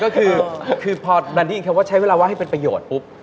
ก็คือพอดันได้ยินคำว่าใช้เวลาว่างให้เป็นประโยชน์ปุ๊บ